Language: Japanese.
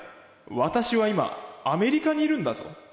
「私は今アメリカにいるんだぞ」。